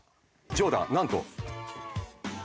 ジョーダンはなんと。